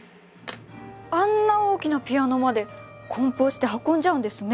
あんな大きなピアノまで梱包して運んじゃうんですね。